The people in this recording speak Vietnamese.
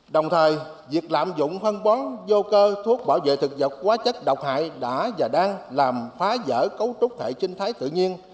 đồng thời việc lạm dụng phân bón vô cơ thuốc bảo vệ thực vật quá chất độc hại đã và đang làm phá dỡ cấu trúc hệ sinh thái tự nhiên